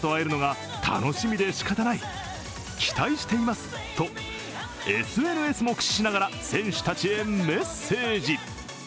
更にとＳＮＳも駆使しながら選手たちへメッセージ。